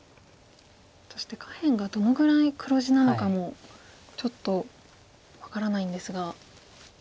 そして下辺がどのぐらい黒地なのかもちょっと分からないんですが。